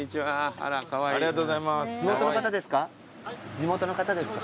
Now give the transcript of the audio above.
地元の方ですか？